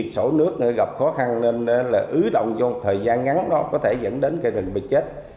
sổ nước gặp khó khăn nên ứ động trong thời gian ngắn có thể dẫn đến cây rừng bị chết